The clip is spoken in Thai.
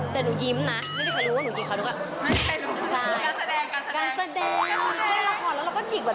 แต่หนูยิ้มนะไม่ได้ใครรู้ว่าหนูหยิกเขานึกว่า